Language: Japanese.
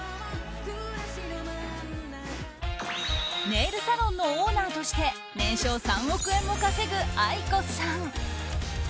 ネイルサロンのオーナーとして年商３億円も稼ぐＡＩＫＯさん。